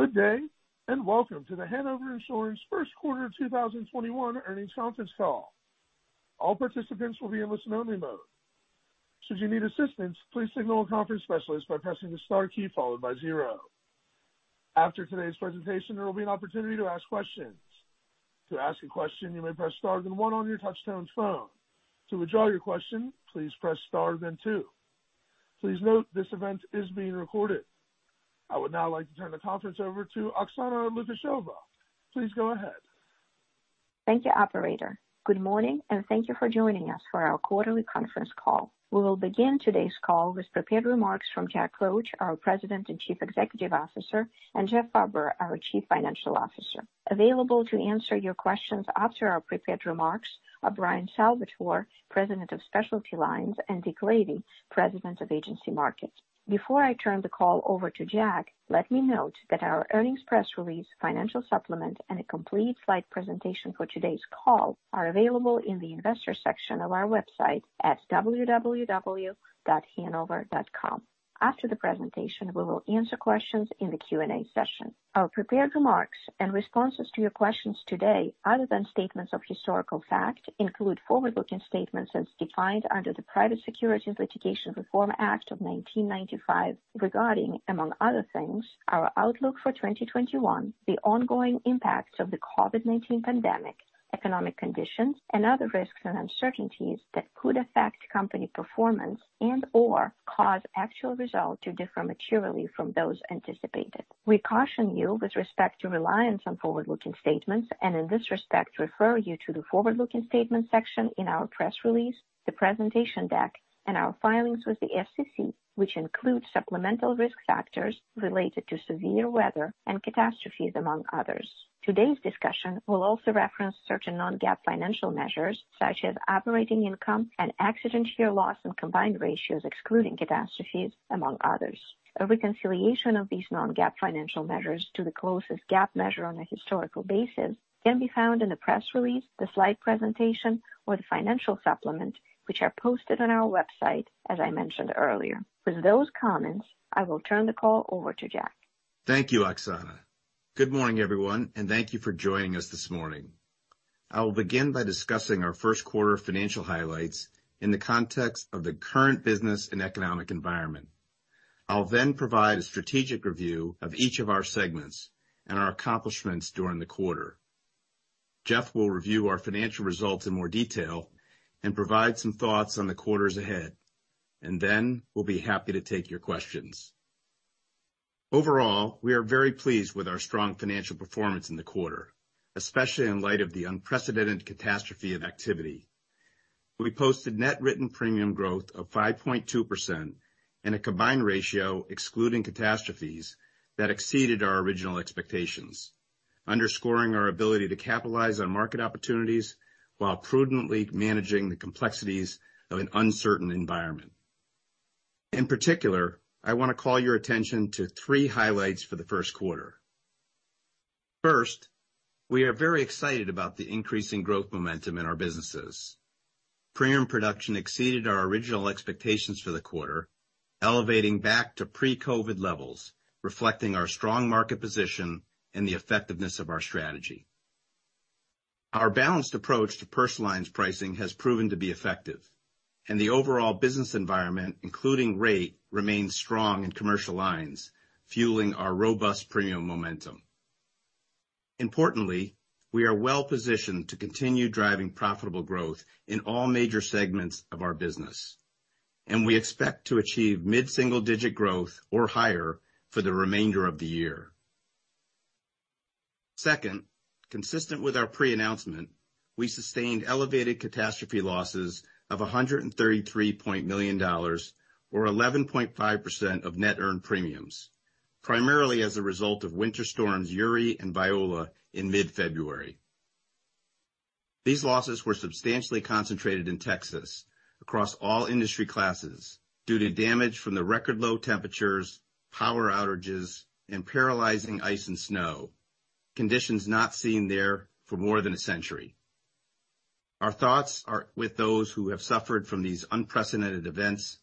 Good day, and welcome to the Hanover Insurance first quarter 2021 earnings conference call. All participants will be in listen-only mode. Should you need assistance, please signal a conference specialist by pressing the star key followed by zero. After today's presentation, there will be an opportunity to ask questions. To ask a question, you may press star then one on your touch-tone phone. To withdraw your question, please press star then two. Please note this event is being recorded. I would now like to turn the conference over to Oksana Lukasheva. Please go ahead. Thank you, operator. Good morning, and thank you for joining us for our quarterly conference call. We will begin today's call with prepared remarks from Jack Roche, our President and Chief Executive Officer, and Jeff Farber, our Chief Financial Officer. Available to answer your questions after our prepared remarks are Bryan Salvatore, President of Specialty Lines, and Dick Lavey, President of Agency Markets. Before I turn the call over to Jack, let me note that our earnings press release, financial supplement, and a complete slide presentation for today's call are available in the Investors section of our website at www.hanover.com. After the presentation, we will answer questions in the Q&A session. Our prepared remarks and responses to your questions today, other than statements of historical fact, include forward-looking statements as defined under the Private Securities Litigation Reform Act of 1995, regarding, among other things, our outlook for 2021, the ongoing impact of the COVID-19 pandemic, economic conditions, and other risks and uncertainties that could affect company performance and/or cause actual results to differ materially from those anticipated. We caution you with respect to reliance on forward-looking statements and in this respect refer you to the Forward-Looking Statements section in our press release, the presentation deck, and our filings with the SEC, which includes supplemental risk factors related to severe weather and catastrophes, among others. Today's discussion will also reference certain non-GAAP financial measures, such as operating income and accident year loss and combined ratios excluding catastrophes, among others. A reconciliation of these non-GAAP financial measures to the closest GAAP measure on a historical basis can be found in the press release, the slide presentation, or the financial supplement, which are posted on our website, as I mentioned earlier. With those comments, I will turn the call over to Jack. Thank you, Oksana. Good morning, everyone, and thank you for joining us this morning. I will begin by discussing our first quarter financial highlights in the context of the current business and economic environment. I'll then provide a strategic review of each of our segments and our accomplishments during the quarter. Jeff will review our financial results in more detail and provide some thoughts on the quarters ahead. Then we'll be happy to take your questions. Overall, we are very pleased with our strong financial performance in the quarter, especially in light of the unprecedented catastrophe of activity. We posted net written premium growth of 5.2% and a combined ratio excluding catastrophes that exceeded our original expectations, underscoring our ability to capitalize on market opportunities while prudently managing the complexities of an uncertain environment. In particular, I want to call your attention to three highlights for the first quarter. First, we are very excited about the increasing growth momentum in our businesses. Premium production exceeded our original expectations for the quarter, elevating back to pre-COVID levels, reflecting our strong market position and the effectiveness of our strategy. Our balanced approach to personal lines pricing has proven to be effective. The overall business environment, including rate, remains strong in commercial lines, fueling our robust premium momentum. Importantly, we are well-positioned to continue driving profitable growth in all major segments of our business. We expect to achieve mid-single-digit growth or higher for the remainder of the year. Second, consistent with our pre-announcement, we sustained elevated catastrophe losses of $133 million, or 11.5% of net earned premiums, primarily as a result of Winter Storms Uri and Viola in mid-February. These losses were substantially concentrated in Texas across all industry classes due to damage from the record low temperatures, power outages, and paralyzing ice and snow, conditions not seen there for more than a century. Our thoughts are with those who have suffered from these unprecedented events.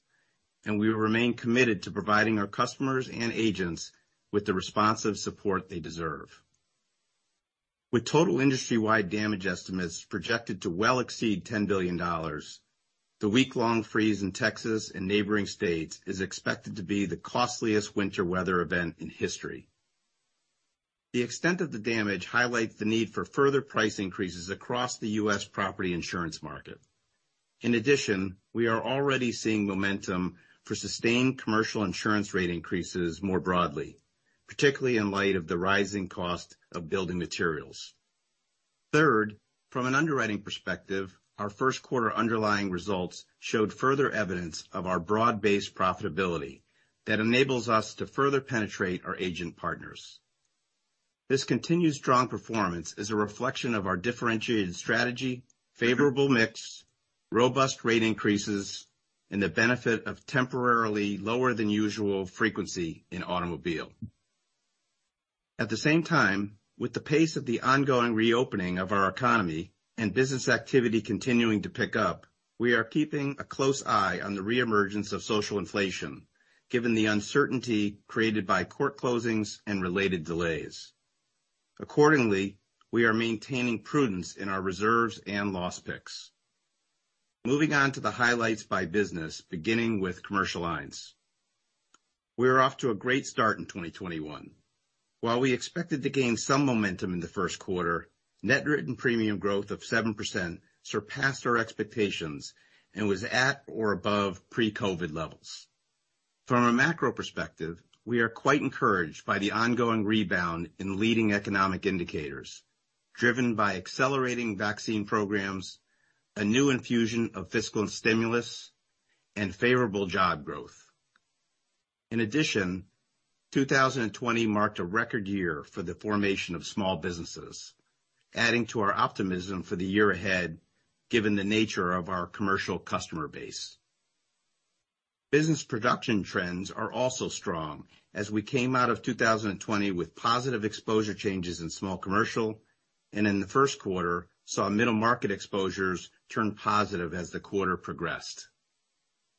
We remain committed to providing our customers and agents with the responsive support they deserve. With total industry-wide damage estimates projected to well exceed $10 billion, the week-long freeze in Texas and neighboring states is expected to be the costliest winter weather event in history. The extent of the damage highlights the need for further price increases across the U.S. property insurance market. In addition, we are already seeing momentum for sustained commercial insurance rate increases more broadly, particularly in light of the rising cost of building materials. Third, from an underwriting perspective, our first quarter underlying results showed further evidence of our broad-based profitability that enables us to further penetrate our agent partners. This continued strong performance is a reflection of our differentiated strategy, favorable mix, robust rate increases, and the benefit of temporarily lower than usual frequency in automobile. At the same time, with the pace of the ongoing reopening of our economy and business activity continuing to pick up, we are keeping a close eye on the reemergence of social inflation given the uncertainty created by court closings and related delays. Accordingly, we are maintaining prudence in our reserves and loss picks. Moving on to the highlights by business, beginning with commercial lines. We are off to a great start in 2021. While we expected to gain some momentum in the first quarter, net written premium growth of 7% surpassed our expectations and was at or above pre-COVID levels. From a macro perspective, we are quite encouraged by the ongoing rebound in leading economic indicators, driven by accelerating vaccine programs, a new infusion of fiscal stimulus, and favorable job growth. In addition, 2020 marked a record year for the formation of small businesses, adding to our optimism for the year ahead, given the nature of our commercial customer base. Business production trends are also strong, as we came out of 2020 with positive exposure changes in small commercial, and in the first quarter, saw middle market exposures turn positive as the quarter progressed.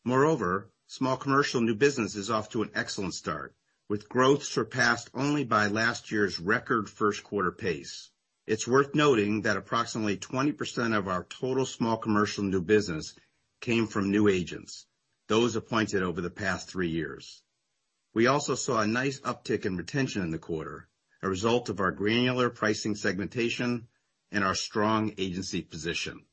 Moreover, small commercial new business is off to an excellent start, with growth surpassed only by last year's record first quarter pace. It's worth noting that approximately 20% of our total small commercial new business came from new agents, those appointed over the past three years. We also saw a nice uptick in retention in the quarter, a result of our granular pricing segmentation and our strong agency position.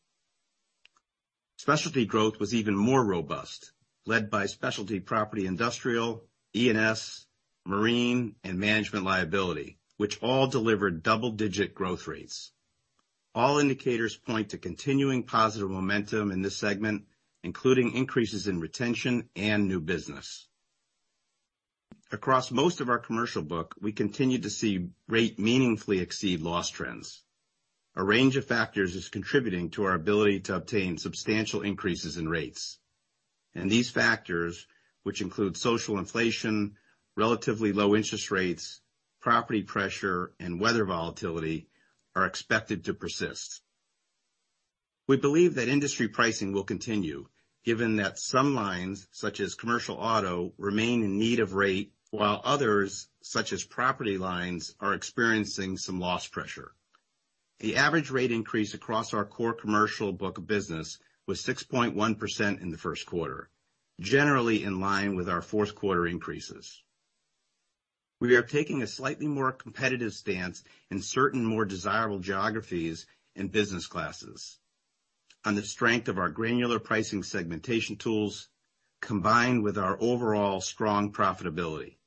Specialty growth was even more robust, led by specialty property industrial, E&S, marine, and management liability, which all delivered double-digit growth rates. All indicators point to continuing positive momentum in this segment, including increases in retention and new business. Across most of our commercial book, we continue to see rate meaningfully exceed loss trends. A range of factors is contributing to our ability to obtain substantial increases in rates. These factors, which include social inflation, relatively low interest rates, property pressure, and weather volatility, are expected to persist. We believe that industry pricing will continue, given that some lines, such as commercial auto, remain in need of rate, while others, such as property lines, are experiencing some loss pressure. The average rate increase across our core commercial book of business was 6.1% in the first quarter, generally in line with our fourth quarter increases. We are taking a slightly more competitive stance in certain more desirable geographies and business classes on the strength of our granular pricing segmentation tools, combined with our overall strong profitability.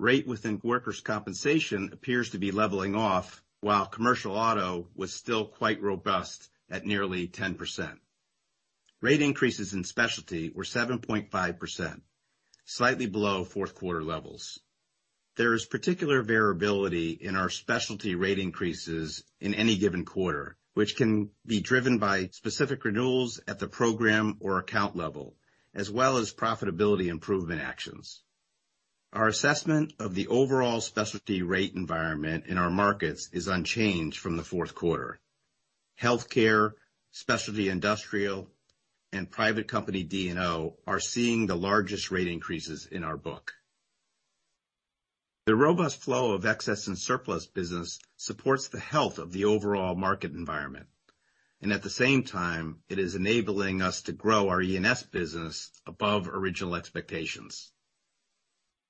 Rate within workers' compensation appears to be leveling off, while commercial auto was still quite robust at nearly 10%. Rate increases in Specialty were 7.5%, slightly below fourth quarter levels. There is particular variability in our Specialty rate increases in any given quarter, which can be driven by specific renewals at the program or account level, as well as profitability improvement actions. Our assessment of the overall Specialty rate environment in our markets is unchanged from the fourth quarter. Healthcare, specialty industrial, and private company D&O are seeing the largest rate increases in our book. The robust flow of excess and surplus business supports the health of the overall market environment. At the same time, it is enabling us to grow our E&S business above original expectations.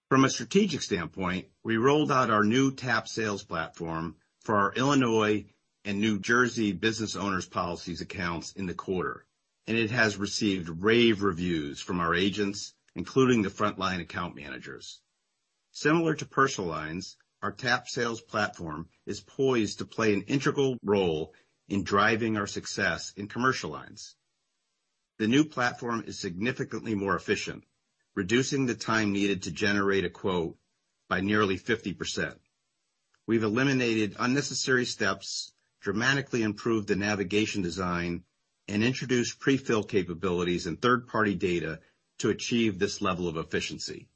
From a strategic standpoint, we rolled out our new TAP Sales platform for our Illinois and New Jersey Business Owners' Policies accounts in the quarter, and it has received rave reviews from our agents, including the frontline account managers. Similar to personal lines, our TAP Sales platform is poised to play an integral role in driving our success in commercial lines. The new platform is significantly more efficient, reducing the time needed to generate a quote by nearly 50%. We've eliminated unnecessary steps, dramatically improved the navigation design, and introduced pre-fill capabilities and third-party data to achieve this level of efficiency.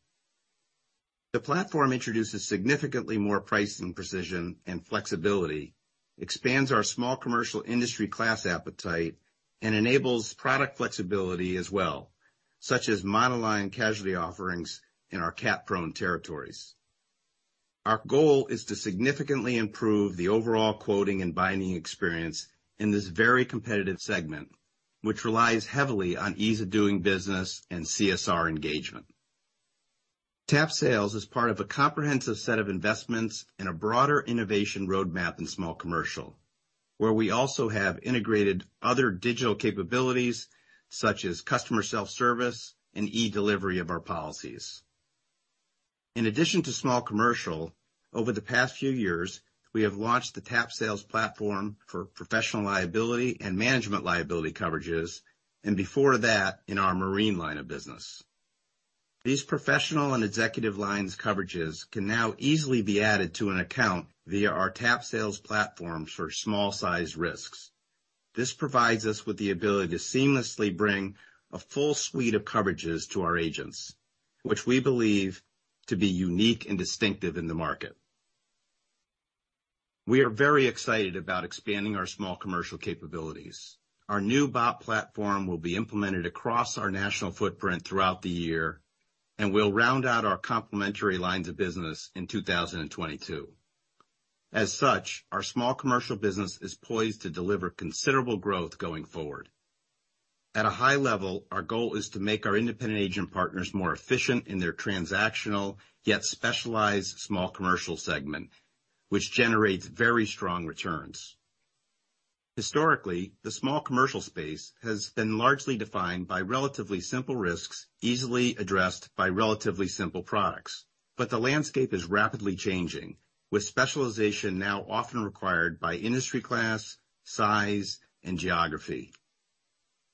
The platform introduces significantly more pricing precision and flexibility, expands our small commercial industry class appetite, and enables product flexibility as well, such as monoline casualty offerings in our cat-prone territories. Our goal is to significantly improve the overall quoting and binding experience in this very competitive segment, which relies heavily on ease of doing business and CSR engagement. TAP Sales is part of a comprehensive set of investments in a broader innovation roadmap in small commercial, where we also have integrated other digital capabilities, such as customer self-service and e-delivery of our policies. In addition to small commercial, over the past few years, we have launched the TAP Sales platform for professional liability and management liability coverages, and before that, in our marine line of business. These professional and executive lines coverages can now easily be added to an account via our TAP Sales platform for small-sized risks. This provides us with the ability to seamlessly bring a full suite of coverages to our agents, which we believe to be unique and distinctive in the market. We are very excited about expanding our small commercial capabilities. Our new BOP platform will be implemented across our national footprint throughout the year. We'll round out our complementary lines of business in 2022. As such, our small commercial business is poised to deliver considerable growth going forward. At a high level, our goal is to make our independent agent partners more efficient in their transactional, yet specialized small commercial segment, which generates very strong returns. Historically, the small commercial space has been largely defined by relatively simple risks, easily addressed by relatively simple products. The landscape is rapidly changing, with specialization now often required by industry class, size, and geography.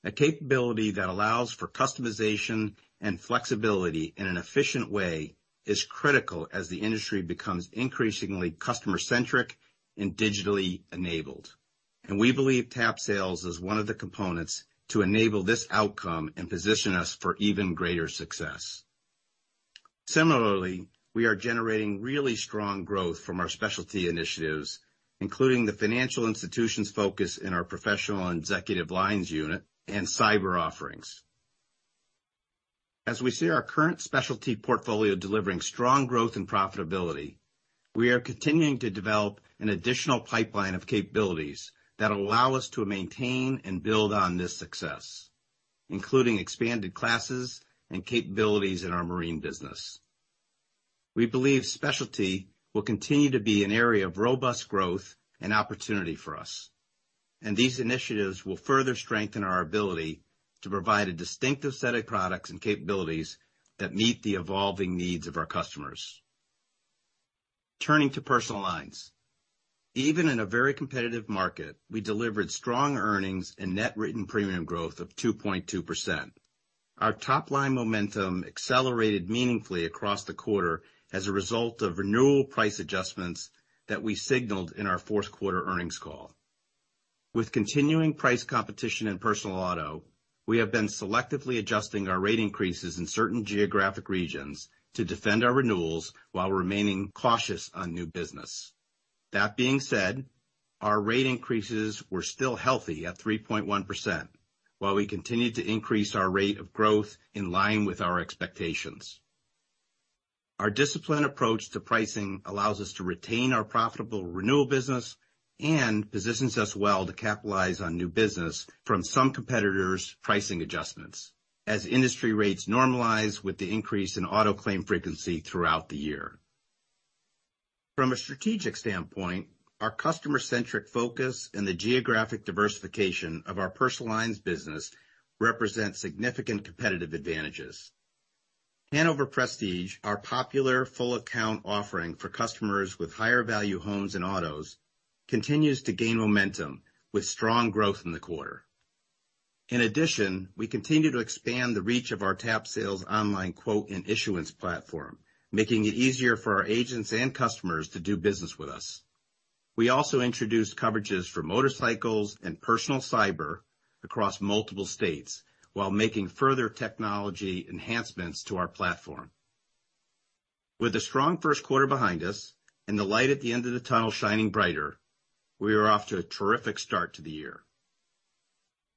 A capability that allows for customization and flexibility in an efficient way is critical as the industry becomes increasingly customer-centric and digitally enabled. We believe TAP Sales is one of the components to enable this outcome and position us for even greater success. Similarly, we are generating really strong growth from our Specialty initiatives, including the financial institutions focus in our professional and executive lines unit and cyber offerings. As we see our current Specialty portfolio delivering strong growth and profitability, we are continuing to develop an additional pipeline of capabilities that allow us to maintain and build on this success, including expanded classes and capabilities in our marine business. We believe Specialty will continue to be an area of robust growth and opportunity for us, and these initiatives will further strengthen our ability to provide a distinctive set of products and capabilities that meet the evolving needs of our customers. Turning to personal lines. Even in a very competitive market, we delivered strong earnings and net written premium growth of 2.2%. Our top-line momentum accelerated meaningfully across the quarter as a result of renewal price adjustments that we signaled in our fourth quarter earnings call. With continuing price competition in personal auto, we have been selectively adjusting our rate increases in certain geographic regions to defend our renewals while remaining cautious on new business. That being said, our rate increases were still healthy at 3.1%, while we continued to increase our rate of growth in line with our expectations. Our disciplined approach to pricing allows us to retain our profitable renewal business and positions us well to capitalize on new business from some competitors' pricing adjustments, as industry rates normalize with the increase in auto claim frequency throughout the year. From a strategic standpoint, our customer-centric focus and the geographic diversification of our personal lines business represent significant competitive advantages. Hanover Prestige, our popular full account offering for customers with higher value homes and autos, continues to gain momentum with strong growth in the quarter. In addition, we continue to expand the reach of our TAP Sales online quote and issuance platform, making it easier for our agents and customers to do business with us. We also introduced coverages for motorcycles and personal cyber across multiple states while making further technology enhancements to our platform. With a strong first quarter behind us and the light at the end of the tunnel shining brighter, we are off to a terrific start to the year.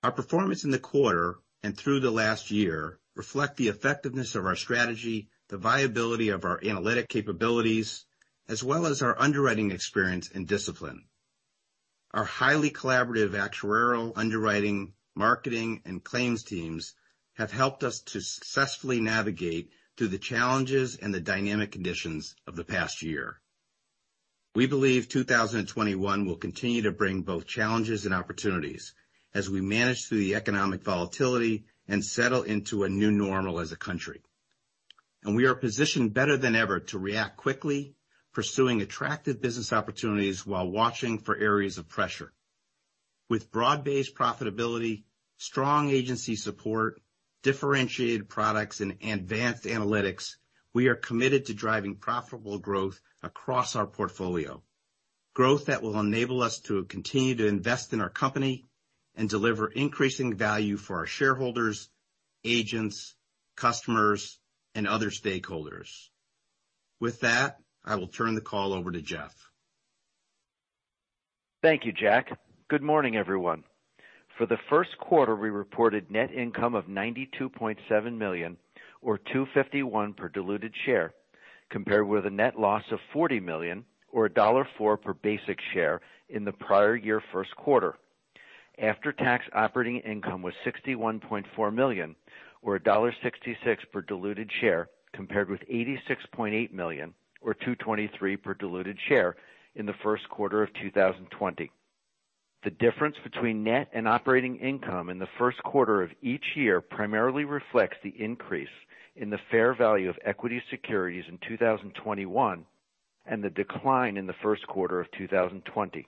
Our performance in the quarter and through the last year reflect the effectiveness of our strategy, the viability of our analytic capabilities, as well as our underwriting experience and discipline. Our highly collaborative actuarial, underwriting, marketing, and claims teams have helped us to successfully navigate through the challenges and the dynamic conditions of the past year. We believe 2021 will continue to bring both challenges and opportunities as we manage through the economic volatility and settle into a new normal as a country. We are positioned better than ever to react quickly, pursuing attractive business opportunities while watching for areas of pressure. With broad-based profitability, strong agency support, differentiated products, and advanced analytics, we are committed to driving profitable growth across our portfolio. Growth that will enable us to continue to invest in our company and deliver increasing value for our shareholders, agents, customers, and other stakeholders. With that, I will turn the call over to Jeffrey. Thank you, Jack. Good morning, everyone. For the first quarter, we reported net income of $92.7 million or $2.51 per diluted share, compared with a net loss of $40 million or $1.04 per basic share in the prior year first quarter. After-tax operating income was $61.4 million or $1.06 per diluted share, compared with $86.8 million or $2.23 per diluted share in the first quarter of 2020. The difference between net and operating income in the first quarter of each year primarily reflects the increase in the fair value of equity securities in 2021 and the decline in the first quarter of 2020.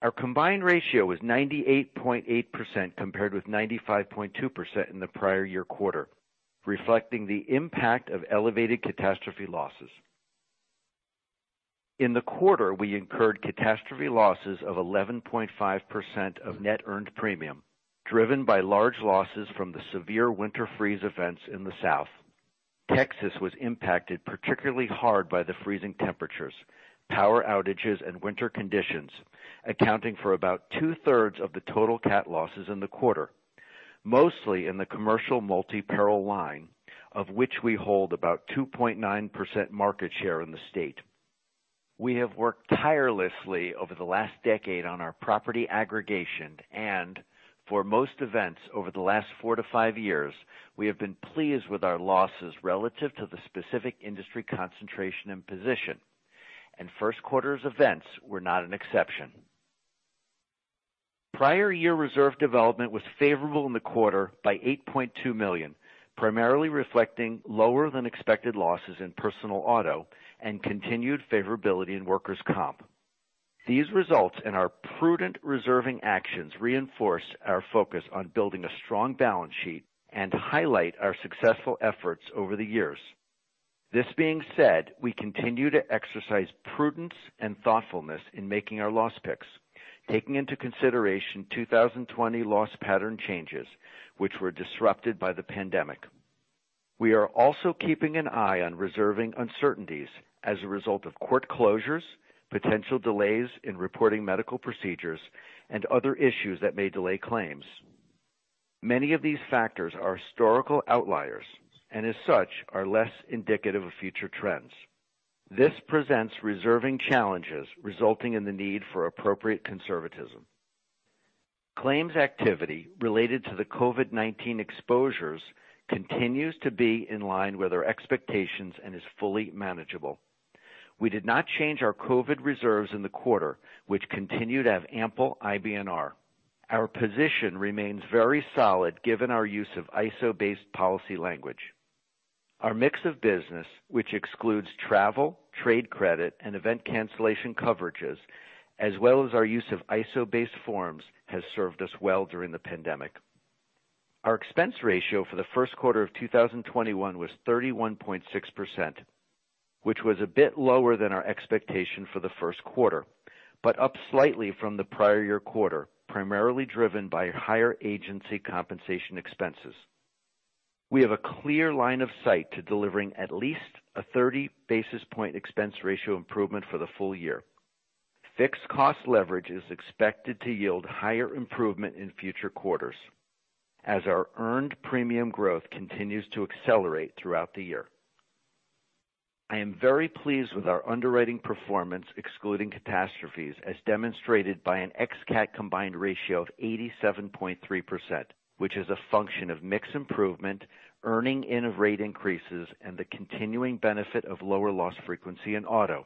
Our combined ratio was 98.8%, compared with 95.2% in the prior year quarter, reflecting the impact of elevated catastrophe losses. In the quarter, we incurred catastrophe losses of 11.5% of net earned premium, driven by large losses from the severe winter freeze events in the South. Texas was impacted particularly hard by the freezing temperatures, power outages, and winter conditions, accounting for about two-thirds of the total cat losses in the quarter, mostly in the commercial multi-peril line, of which we hold about 2.9% market share in the state. We have worked tirelessly over the last decade on our property aggregation, and for most events over the last four to five years, we have been pleased with our losses relative to the specific industry concentration and position. First quarter's events were not an exception. Prior year reserve development was favorable in the quarter by $8.2 million, primarily reflecting lower than expected losses in personal auto and continued favorability in workers' comp. These results and our prudent reserving actions reinforce our focus on building a strong balance sheet and highlight our successful efforts over the years. This being said, we continue to exercise prudence and thoughtfulness in making our loss picks, taking into consideration 2020 loss pattern changes which were disrupted by the pandemic. We are also keeping an eye on reserving uncertainties as a result of court closures, potential delays in reporting medical procedures, and other issues that may delay claims. Many of these factors are historical outliers, and as such, are less indicative of future trends. This presents reserving challenges resulting in the need for appropriate conservatism. Claims activity related to the COVID-19 exposures continues to be in line with our expectations and is fully manageable. We did not change our COVID reserves in the quarter, which continue to have ample IBNR. Our position remains very solid given our use of ISO-based policy language. Our mix of business, which excludes travel, trade credit, and event cancellation coverages, as well as our use of ISO-based forms, has served us well during the pandemic. Our expense ratio for the first quarter of 2021 was 31.6%, which was a bit lower than our expectation for the first quarter, but up slightly from the prior year quarter, primarily driven by higher agency compensation expenses. We have a clear line of sight to delivering at least a 30-basis point expense ratio improvement for the full year. Fixed cost leverage is expected to yield higher improvement in future quarters as our earned premium growth continues to accelerate throughout the year. I am very pleased with our underwriting performance, excluding catastrophes, as demonstrated by an ex-cat combined ratio of 87.3%, which is a function of mix improvement, earning-in of rate increases, and the continuing benefit of lower loss frequency in auto.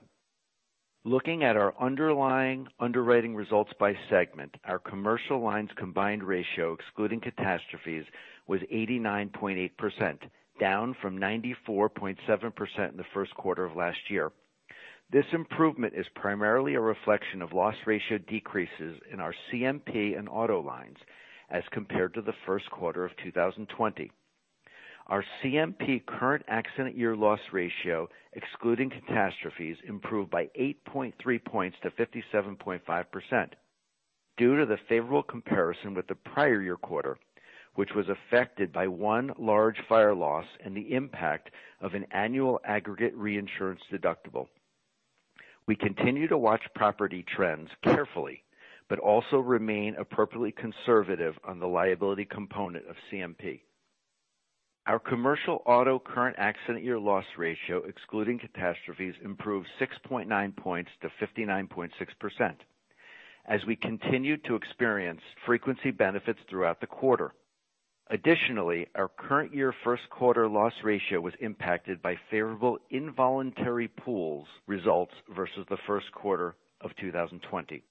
Looking at our underlying underwriting results by segment, our commercial lines combined ratio, excluding catastrophes, was 89.8%, down from 94.7% in the first quarter of last year. This improvement is primarily a reflection of loss ratio decreases in our CMP and auto lines as compared to the first quarter of 2020. Our CMP current accident year loss ratio, excluding catastrophes, improved by 8.3 points to 57.5% due to the favorable comparison with the prior year quarter, which was affected by one large fire loss and the impact of an annual aggregate reinsurance deductible. We continue to watch property trends carefully, but also remain appropriately conservative on the liability component of CMP. Our commercial auto current accident year loss ratio, excluding catastrophes, improved 6.9 points to 59.6% as we continued to experience frequency benefits throughout the quarter. Additionally, our current year first quarter loss ratio was impacted by favorable involuntary pools results versus the first quarter of 2020.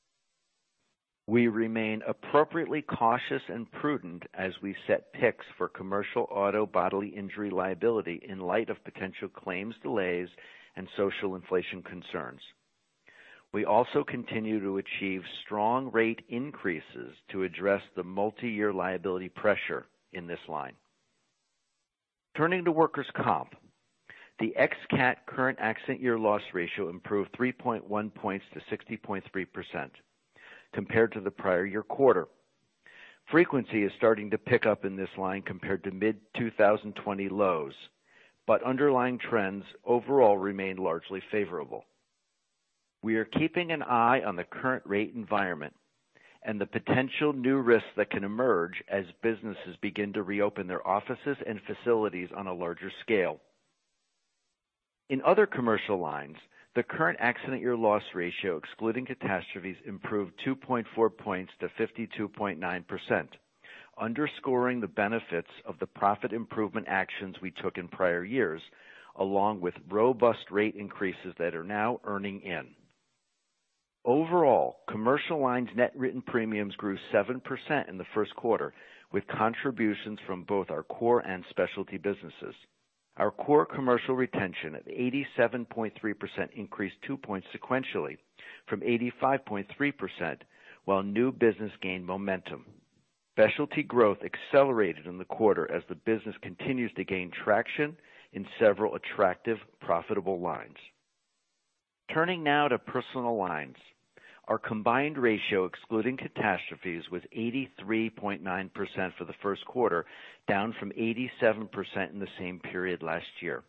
We remain appropriately cautious and prudent as we set picks for commercial auto bodily injury liability in light of potential claims delays and social inflation concerns. We also continue to achieve strong rate increases to address the multi-year liability pressure in this line. Turning to workers' comp, the ex-cat current accident year loss ratio improved 3.1 points to 60.3% compared to the prior year quarter. Frequency is starting to pick up in this line compared to mid-2020 lows, but underlying trends overall remain largely favorable. We are keeping an eye on the current rate environment and the potential new risks that can emerge as businesses begin to reopen their offices and facilities on a larger scale. In other commercial lines, the current accident year loss ratio, excluding catastrophes, improved 2.4 points to 52.9%, underscoring the benefits of the profit improvement actions we took in prior years, along with robust rate increases that are now earning in. Overall, commercial lines net written premiums grew 7% in the first quarter, with contributions from both our core and Specialty businesses. Our core commercial retention at 87.3% increased two points sequentially from 85.3%, while new business gained momentum. Specialty growth accelerated in the quarter as the business continues to gain traction in several attractive, profitable lines. Turning now to personal lines. Our combined ratio, excluding catastrophes, was 83.9% for the first quarter, down from 87% in the same period last year.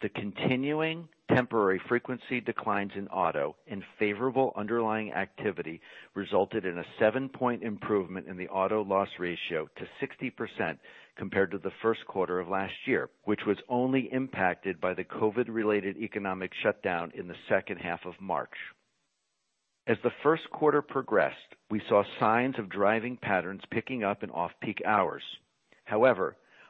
The continuing temporary frequency declines in auto and favorable underlying activity resulted in a seven-point improvement in the auto loss ratio to 60% compared to the first quarter of last year, which was only impacted by the COVID-related economic shutdown in the second half of March. As the first quarter progressed, we saw signs of driving patterns picking up in off-peak hours.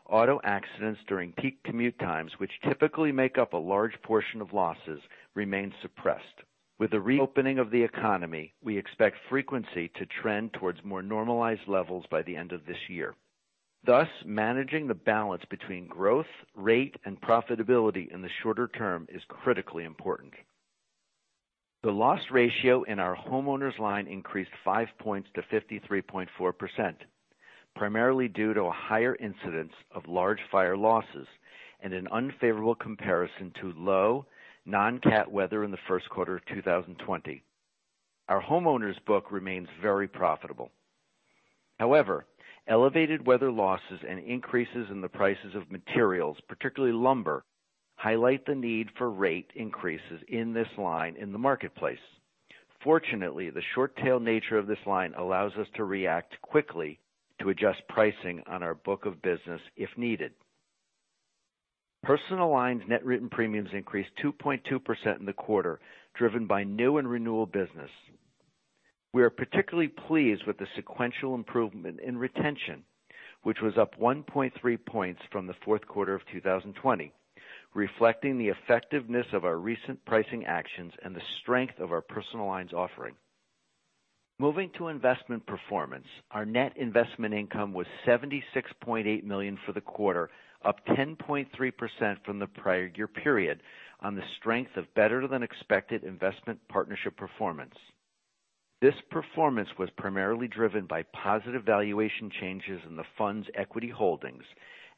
Auto accidents during peak commute times, which typically make up a large portion of losses, remained suppressed. With the reopening of the economy, we expect frequency to trend towards more normalized levels by the end of this year. Managing the balance between growth, rate, and profitability in the shorter term is critically important. The loss ratio in our homeowners line increased five points to 53.4%, primarily due to a higher incidence of large fire losses and an unfavorable comparison to low non-cat weather in the first quarter of 2020. Our homeowners book remains very profitable. Elevated weather losses and increases in the prices of materials, particularly lumber, highlight the need for rate increases in this line in the marketplace. Fortunately, the short-tail nature of this line allows us to react quickly to adjust pricing on our book of business if needed. Personal lines net written premiums increased 2.2% in the quarter, driven by new and renewal business. We are particularly pleased with the sequential improvement in retention, which was up 1.3 points from the fourth quarter of 2020, reflecting the effectiveness of our recent pricing actions and the strength of our personal lines offering. Moving to investment performance, our net investment income was $76.8 million for the quarter, up 10.3% from the prior year period on the strength of better-than-expected investment partnership performance. This performance was primarily driven by positive valuation changes in the fund's equity holdings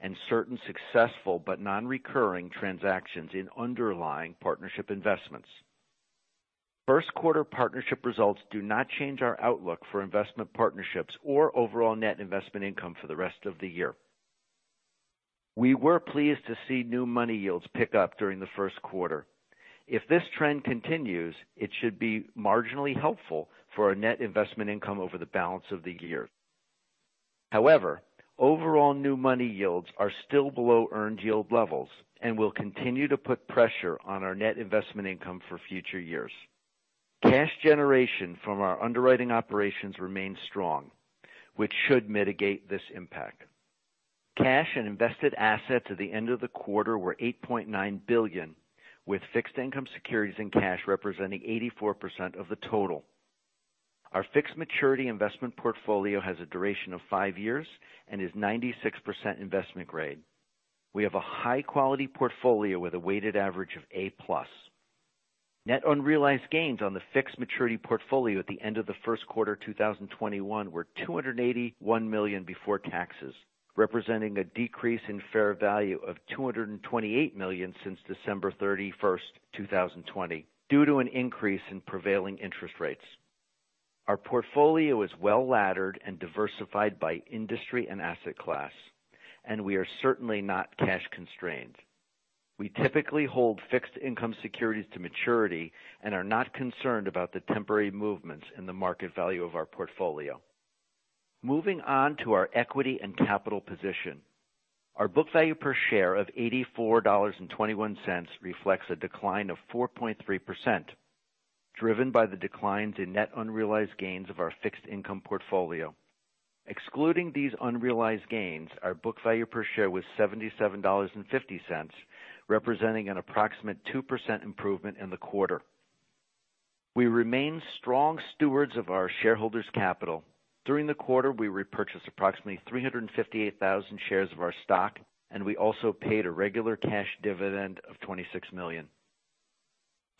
and certain successful but non-recurring transactions in underlying partnership investments. First quarter partnership results do not change our outlook for investment partnerships or overall net investment income for the rest of the year. We were pleased to see new money yields pick up during the first quarter. If this trend continues, it should be marginally helpful for our net investment income over the balance of the year. Overall new money yields are still below earned yield levels and will continue to put pressure on our net investment income for future years. Cash generation from our underwriting operations remains strong, which should mitigate this impact. Cash and invested assets at the end of the quarter were $8.9 billion, with fixed income securities and cash representing 84% of the total. Our fixed maturity investment portfolio has a duration of five years and is 96% investment grade. We have a high-quality portfolio with a weighted average of A-plus. Net unrealized gains on the fixed maturity portfolio at the end of the first quarter 2021 were $281 million before taxes, representing a decrease in fair value of $228 million since December 31st, 2020, due to an increase in prevailing interest rates. Our portfolio is well-laddered and diversified by industry and asset class. We are certainly not cash constrained. We typically hold fixed income securities to maturity and are not concerned about the temporary movements in the market value of our portfolio. Moving on to our equity and capital position. Our book value per share of $84.21 reflects a decline of 4.3%, driven by the declines in net unrealized gains of our fixed income portfolio. Excluding these unrealized gains, our book value per share was $77.50, representing an approximate 2% improvement in the quarter. We remain strong stewards of our shareholders' capital. During the quarter, we repurchased approximately 358,000 shares of our stock, and we also paid a regular cash dividend of $26 million.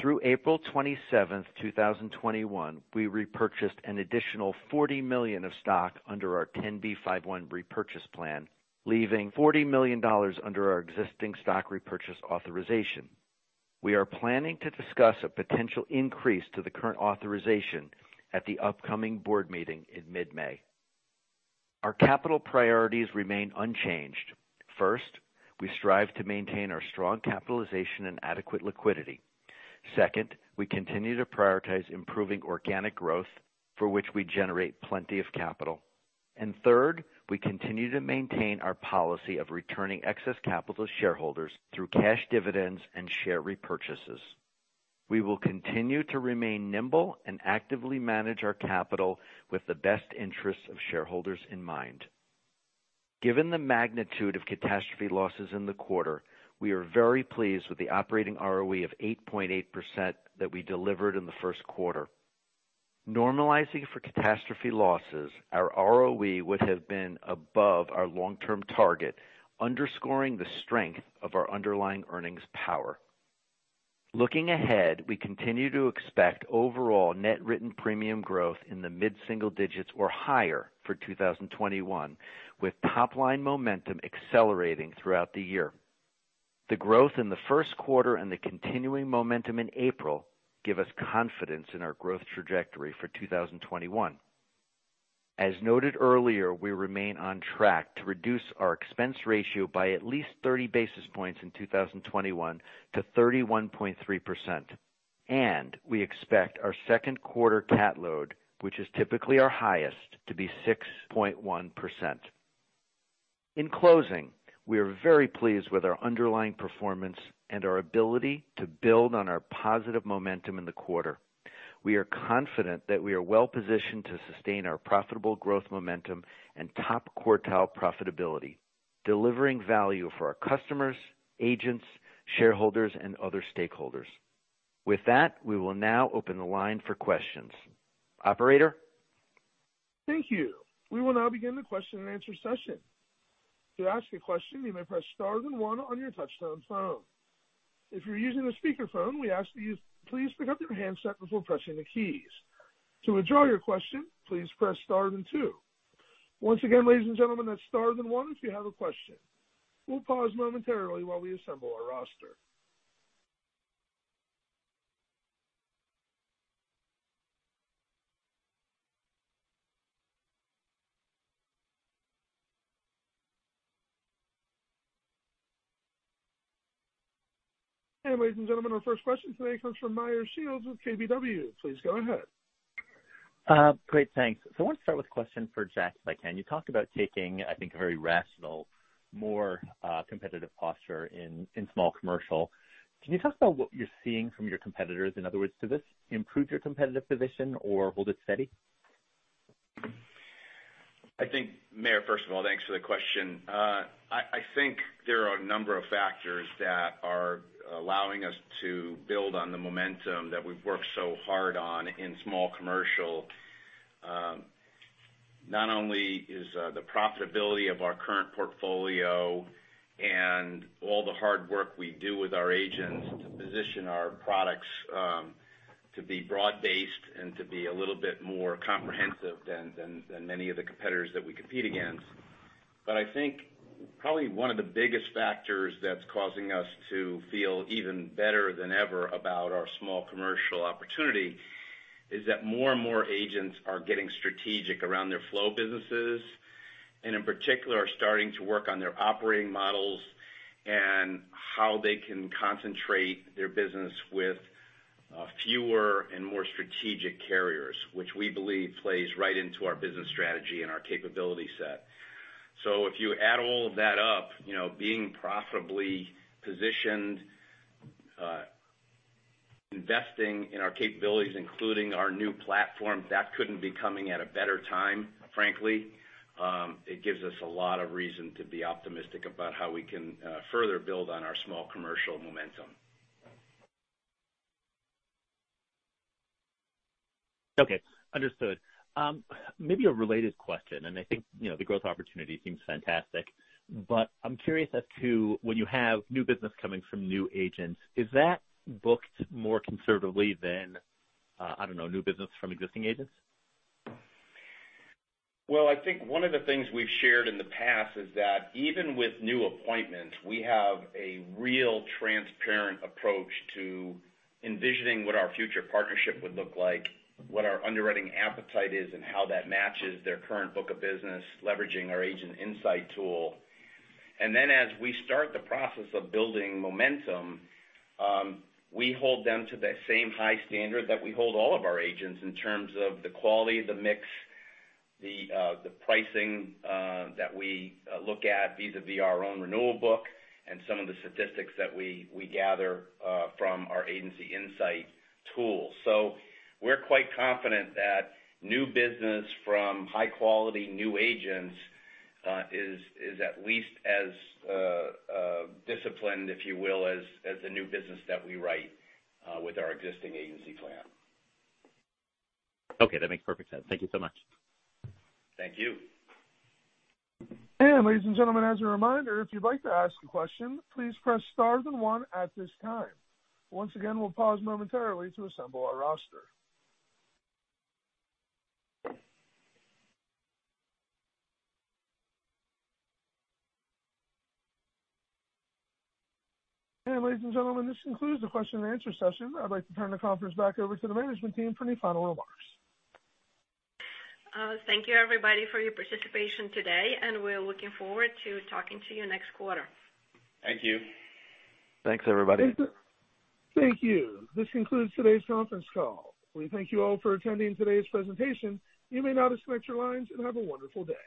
Through April 27th, 2021, we repurchased an additional $40 million of stock under our 10b5-1 repurchase plan, leaving $40 million under our existing stock repurchase authorization. We are planning to discuss a potential increase to the current authorization at the upcoming board meeting in mid-May. Our capital priorities remain unchanged. First, we strive to maintain our strong capitalization and adequate liquidity. Second, we continue to prioritize improving organic growth, for which we generate plenty of capital. Third, we continue to maintain our policy of returning excess capital to shareholders through cash dividends and share repurchases. We will continue to remain nimble and actively manage our capital with the best interests of shareholders in mind. Given the magnitude of catastrophe losses in the quarter, we are very pleased with the operating ROE of 8.8% that we delivered in the first quarter. Normalizing for catastrophe losses, our ROE would have been above our long-term target, underscoring the strength of our underlying earnings power. Looking ahead, we continue to expect overall net written premium growth in the mid-single digits or higher for 2021, with top-line momentum accelerating throughout the year. The growth in the first quarter and the continuing momentum in April give us confidence in our growth trajectory for 2021. As noted earlier, we remain on track to reduce our expense ratio by at least 30 basis points in 2021 to 31.3%, and we expect our second quarter cat load, which is typically our highest, to be 6.1%. In closing, we are very pleased with our underlying performance and our ability to build on our positive momentum in the quarter. We are confident that we are well-positioned to sustain our profitable growth momentum and top-quartile profitability, delivering value for our customers, agents, shareholders, and other stakeholders. With that, we will now open the line for questions. Operator? Thank you. We will now begin the question and answer session. To ask a question, you may press star then one on your touch-tone phone. If you're using a speakerphone, we ask that you please pick up your handset before pressing the keys. To withdraw your question, please press star then two. Once again, ladies and gentlemen, that's star then one if you have a question. We'll pause momentarily while we assemble our roster. Ladies and gentlemen, our first question today comes from Meyer Shields with KBW. Please go ahead. Great, thanks. I want to start with a question for Jack, if I can. You talked about taking, I think, a very rational, more competitive posture in small commercial. Can you talk about what you're seeing from your competitors? In other words, does this improve your competitive position or hold it steady? I think, Meyer, first of all, thanks for the question. I think there are a number of factors that are allowing us to build on the momentum that we've worked so hard on in small commercial. Not only is the profitability of our current portfolio and all the hard work we do with our agents to position our products to be broad-based and to be a little bit more comprehensive than many of the competitors that we compete against. I think probably one of the biggest factors that's causing us to feel even better than ever about our small commercial opportunity is that more and more agents are getting strategic around their flow businesses, and in particular, are starting to work on their operating models and how they can concentrate their business with fewer and more strategic carriers, which we believe plays right into our business strategy and our capability set. If you add all of that up, being profitably positioned, investing in our capabilities, including our new platform, that couldn't be coming at a better time, frankly. It gives us a lot of reason to be optimistic about how we can further build on our small commercial momentum. Okay. Understood. Maybe a related question, I think the growth opportunity seems fantastic, I'm curious as to when you have new business coming from new agents, is that booked more conservatively than, I don't know, new business from existing agents? Well, I think one of the things we've shared in the past is that even with new appointments, we have a real transparent approach to envisioning what our future partnership would look like, what our underwriting appetite is, and how that matches their current book of business, leveraging our agent insight tool. Then as we start the process of building momentum, we hold them to the same high standard that we hold all of our agents in terms of the quality, the mix, the pricing that we look at vis-a-vis our own renewal book and some of the statistics that we gather from our agency insight tool. We're quite confident that new business from high-quality new agents is at least as disciplined, if you will, as the new business that we write with our existing agency plan. Okay, that makes perfect sense. Thank you so much. Thank you. Ladies and gentlemen, as a reminder, if you'd like to ask a question, please press star then one at this time. Once again, we'll pause momentarily to assemble our roster. Ladies and gentlemen, this concludes the question and answer session. I'd like to turn the conference back over to the management team for any final remarks. Thank you, everybody, for your participation today, and we're looking forward to talking to you next quarter. Thank you. Thanks, everybody. Thank you. This concludes today's conference call. We thank you all for attending today's presentation. You may now disconnect your lines, and have a wonderful day.